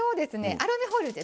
アルミホイルね